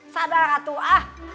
sadar ratu ah